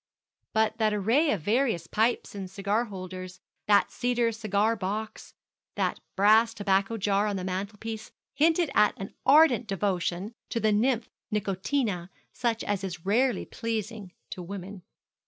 But that array of various pipes and cigar holders that cedar cigar box that brass tobacco jar on the mantelpiece, hinted at an ardent devotion to the nymph Nicotina such as is rarely pleasing to woman.